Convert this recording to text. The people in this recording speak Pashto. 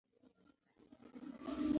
زه کابل ته تللی وم.